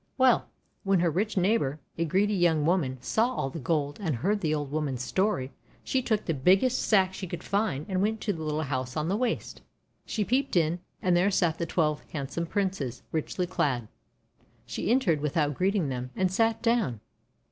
Well, when her rich neighbour — a greedy young woman — saw all the gold and heard the old woman's story, she took the biggest sack she could find, and went to the little house on the waste. She peeped in, and there sat the twelve handsome Princes, richly clad. She entered without greeting them, and sat down.